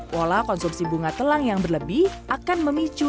hola konsumsi bunga telang yang berlebihan akan memicu